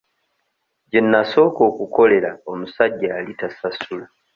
Gye nnasooka okukolera omusajja yali tasasula.